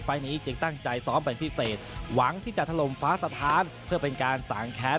นี้จึงตั้งใจซ้อมเป็นพิเศษหวังที่จะถล่มฟ้าสถานเพื่อเป็นการสางแค้น